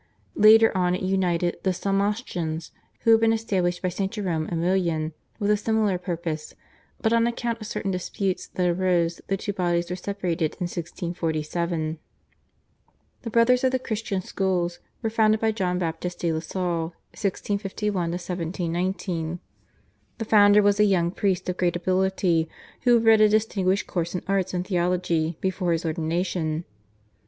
Later on it united with the Somaschans, who had been established by St. Jerome Aemilian with a similar purpose, but on account of certain disputes that arose the two bodies were separated in 1647. The Brothers of the Christian Schools were founded by John Baptist de la Salle (1651 1719). The founder was a young priest of great ability, who had read a distinguished course in arts and theology before his ordination.